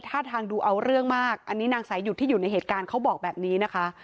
ท่าทางดูเอาเรื่องมากอันนี้นางสายหยุดที่อยู่ในเหตุการณ์เขาบอกแบบนี้นะคะ